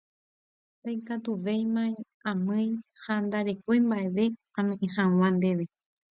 Ndaikatuvéima amýi ha ndarekói mba'eve ame'ẽ hag̃ua ndéve